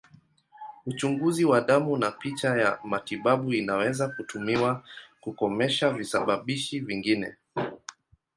Uchunguzi wa damu na picha ya matibabu inaweza kutumiwa kukomesha visababishi vingine.